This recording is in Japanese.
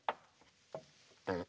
うん。